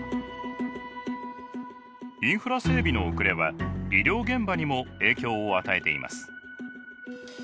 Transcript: インフラ整備の遅れは医療現場にも影響を与えています。